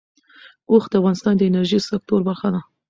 اوښ د افغانستان د انرژۍ د سکتور برخه ده.